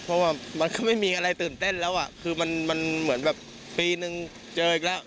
เพราะว่ามันก็ไม่มีอะไรตื่นเต้นแล้วอ่ะคือมันเหมือนแบบปีนึงเจออีกแล้ว